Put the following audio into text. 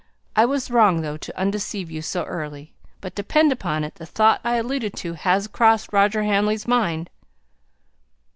I was wrong, though, to undeceive you so early but depend upon it, the thought I alluded to has crossed Roger Hamley's mind!"